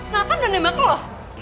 nathan udah nembak lo